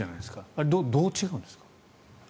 あれはどう違うんですか？